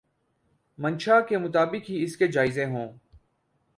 منشاء کے مطابق ہی اس کے جائزے ہوں۔